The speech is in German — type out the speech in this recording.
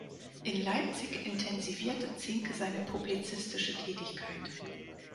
In Leipzig intensivierte Zincke seine publizistische Tätigkeit.